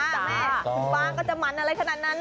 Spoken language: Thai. คุณฟ้างก็จะหมันอะไรขนาดนั้น